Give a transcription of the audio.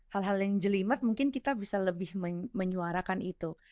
hal hal yang jelimet mungkin kita bisa lebih menyuarakan itu